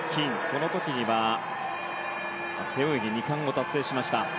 この時には背泳ぎ２冠を達成しました。